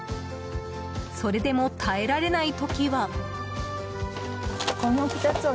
それでも耐えられない時は。